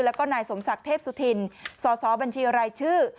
แล้วก็นายสมศักดิ์เทพสุธินสอสอบัญชีรายชื่อ